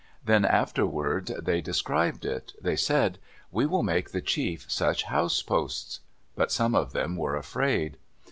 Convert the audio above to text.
Then afterward they described it. They said, "We will make the chief such house posts." But some of them were afraid.